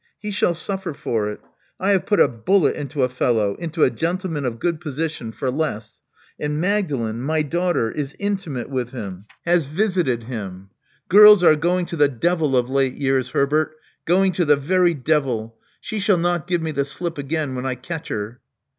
He shall suffer for it. I have put a bullet into a fellow — ^into a gentleman of good position — for less. And Magdalen — my daughter — is intimate with bim — has visited 144 Love Among the Artists him. Girls are goin^ to tac devfl of late 7ear% Herbert, going to the verv devi!. She sbsJl not give me the slip again, when I catch her."